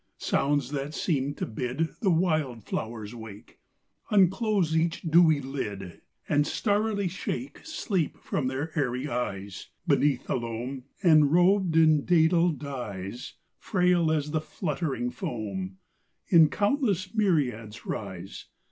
Sounds that seemed to bid The wildflowers wake; Unclose each dewy lid, And starrily shake Sleep from their airy eyes Beneath the loam, And, robed in dædal dyes, Frail as the fluttering foam, In countless myriads rise.